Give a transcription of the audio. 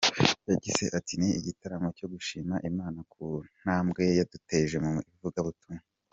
Yagize ati "Ni igitaramo cyo gushima Imana ku ntambwe yaduteje mu ivugabutumwa.